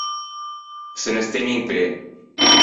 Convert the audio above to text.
Se ne stemmo in pê.